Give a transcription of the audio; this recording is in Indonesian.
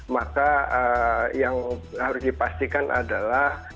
maka yang harus dipastikan adalah